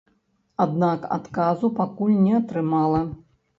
Аднак адказу пакуль не атрымала.